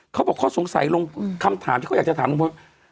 เขาบอกเขาสงสัยลงคำถามที่เขาอยากจะถามลุงพล